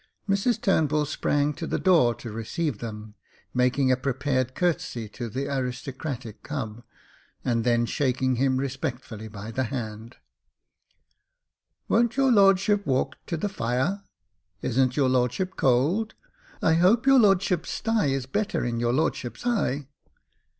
Mrs Turnbull sprang to the door to receive them, making a prepared courtesy to the aristocratical cub, and then shaking him respectfully by the hand, " Won't your lordship walk to the fire } Isn't your lordship cold } I 140 Jacob Faithful hope your lordship's sty is better in your lordship's eye.